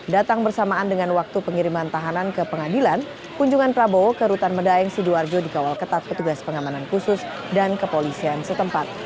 datang bersamaan dengan waktu pengiriman tahanan ke pengadilan kunjungan prabowo ke rutan medaeng sidoarjo dikawal ketat petugas pengamanan khusus dan kepolisian setempat